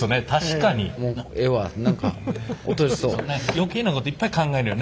余計なこといっぱい考えるよね